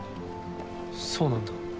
そうなんだ？